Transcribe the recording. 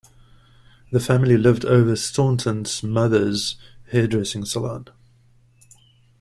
The family lived over Staunton's mother's hair dressing salon.